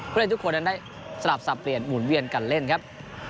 เพื่อให้ทุกคนนั้นได้สลับสับเปลี่ยนหมุนเวียนกันเล่นครับ